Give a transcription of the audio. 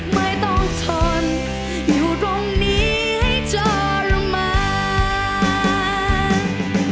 ไม่ต้องทนอยู่ตรงนี้ให้เธอลงมา